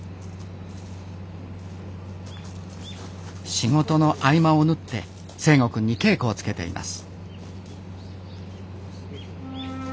仕事の合間を縫って誠心くんに稽古をつけています